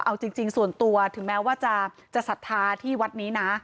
เอาจริงส่วนตัวถึงแม้ว่าจะศรัทธาที่วัดนี้นะ